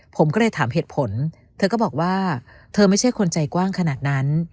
ผมก็เลยถามเหตุผลเธอก็บอกว่าเธอไม่ใช่คนใจกว้างขนาดนั้น